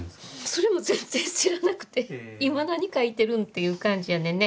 それも全然知らなくて「今何描いてるん？」っていう感じやねんね。